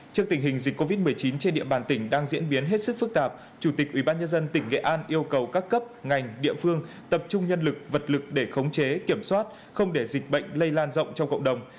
trước tình hình dịch covid một mươi chín trên địa bàn tỉnh đang diễn biến hết sức phức tạp chủ tịch ubnd tỉnh nghệ an yêu cầu các cấp ngành địa phương tập trung nhân lực vật lực để khống chế kiểm soát không để dịch bệnh lây lan rộng trong cộng đồng